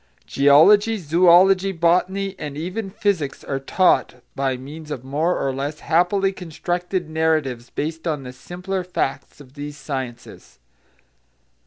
Geology, zoology, botany, and even physics are taught by means of more or less happily constructed narratives based on the simpler facts of these sciences.